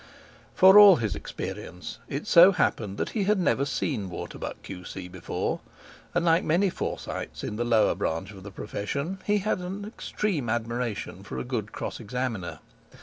For all his experience, it so happened that he had never seen Waterbuck, Q.C., before, and, like many Forsytes in the lower branch of the profession, he had an extreme admiration for a good cross examiner.